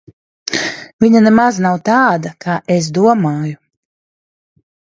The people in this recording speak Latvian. Viņa nemaz nav tāda, kā es domāju.